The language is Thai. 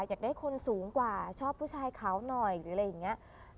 อยากได้คนสูงกว่าชอบผู้ชายเขาหน่อยหรืออะไรอย่างนี้